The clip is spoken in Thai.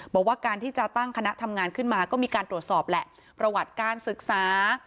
บอกว่าการที่จะตั้งคณะทำงานขึ้นมาก็มีการตรวจสอบแหละประวัติการศึกษา